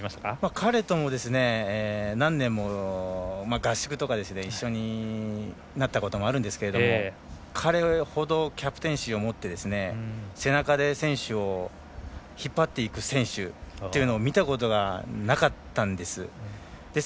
彼とも、何年も合宿とか一緒になったこともあるんですけど彼ほどキャプテンシーを持って背中で選手を引っ張っていく選手というのを見たことがなかったんです。